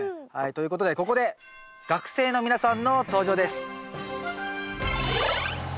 ということでここで学生の皆さんの登場です。